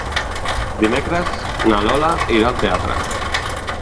Dimecres na Lola irà al teatre.